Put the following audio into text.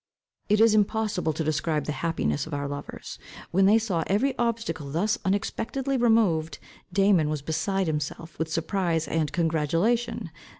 It is impossible to describe the happiness of our lovers, when they saw every obstacle thus unexpectedly removed. Damon was beside himself with surprise and congratulation.